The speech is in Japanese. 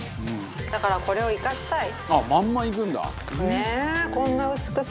だからこれを生かしたい。